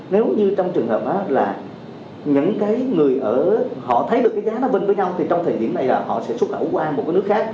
nếu như trong trường hợp là những cái người ở họ thấy được cái giá nó bên với nhau thì trong thời điểm này là họ sẽ xuất khẩu qua một cái nước khác